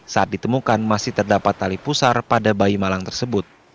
saat ditemukan masih terdapat tali pusar pada bayi malang tersebut